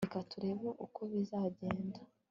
reka turebe uko bizagenda